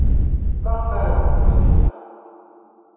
Maɣef ara teddu Taninna?